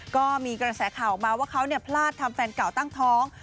ก็มีกระแสข่าวออกมาว่าเขาพลาดทำแฟนเก่าตั้งท้อง